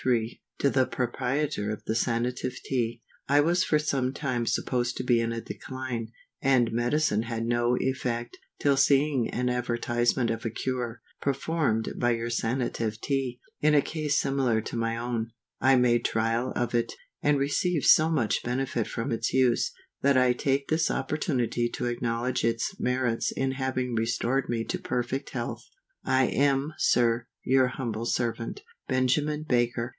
To the Proprietor of the Sanative TEA. I was for some time supposed to be in a decline, and medicine had no effect, till seeing an advertisement of a cure, performed by your Sanative Tea, in a case similar to my own, I made trial of it, and received so much benefit from its use, that I take this opportunity to acknowledge its merit in having restored me to perfect health. I am, SIR, your humble servant, BENJAMIN BAKER.